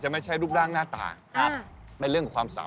ไปดูดิแล้วนะ